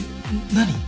何？